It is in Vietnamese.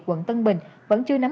quận tân bình